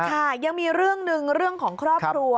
ค่ะยังมีเรื่องหนึ่งเรื่องของครอบครัว